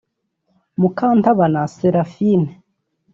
Mukantabana Séraphine